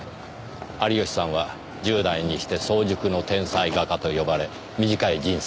有吉さんは十代にして早熟の天才画家と呼ばれ短い人生を閉じた。